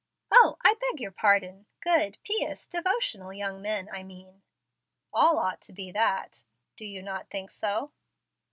"O, I beg your pardon, good, pious, devotional young men, I mean." "All ought to be that; do you not think so?"